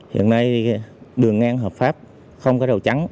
hiện nay đường ngang hợp pháp không có đầu chắn